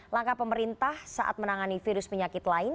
langkah pemerintah saat menangani virus penyakit lain